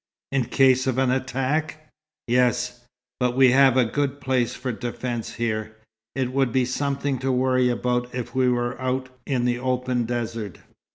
"In case of an attack?" "Yes. But we have a good place for defence here. It would be something to worry about if we were out in the open desert."